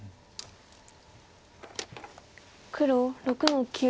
黒６の九。